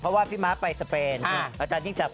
เพราะว่าพี่ม้าไปสเปนอาจารย์จริงไปอเมกา